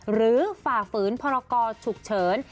หรือฝากฝืนพรกรฉุกเฉิน